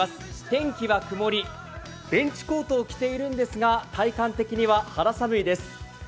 天気は曇り、ベンチコートを着ているんですが体感的には肌寒いです。